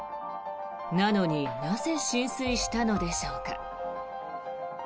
なのになぜ浸水したのでしょうか。